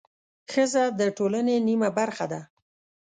ښځه د ټولنې نیمه برخه ده